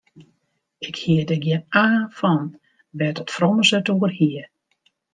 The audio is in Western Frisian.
Ik hie der gjin aan fan wêr't it frommes it oer hie.